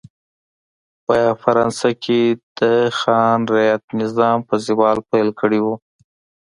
په فرانسه کې د خان رعیت نظام په زوال پیل کړی و.